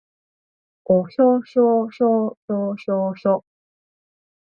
おひょひょひょひょひょひょ